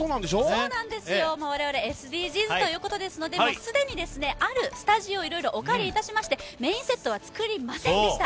我々、ＳＤＧｓということですので、既にあるスタジオ、いろいろお借りしまして、メインセットは作りませんでした。